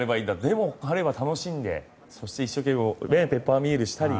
でも、彼は楽しんでそして一生懸命ペッパーミルしたり。